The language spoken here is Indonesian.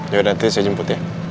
ya udah nanti saya jemput ya